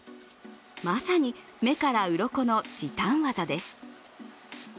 まさに目からうろこの時短技です。